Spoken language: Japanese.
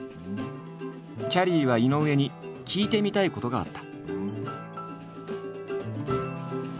きゃりーは井上に聞いてみたいことがあった。